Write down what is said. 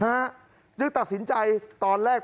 ทำไมคงคืนเขาว่าทำไมคงคืนเขาว่า